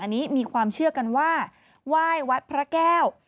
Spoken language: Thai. อันนี้มีความเชื่อกันว่าไหว้วัดพระแก้ว